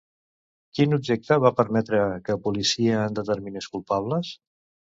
Quin objecte va permetre que policia en determinés culpables?